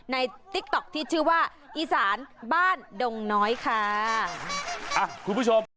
ติ๊กต๊อกที่ชื่อว่าอีสานบ้านดงน้อยค่ะอ่ะคุณผู้ชม